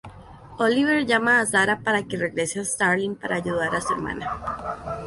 Oliver llama a Sara para que regrese a Starling para ayudar a su hermana.